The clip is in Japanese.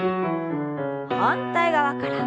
反対側から。